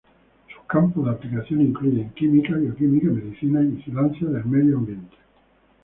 Sus campos de aplicación incluyen química, bioquímica, medicina y vigilancia del medio ambiente.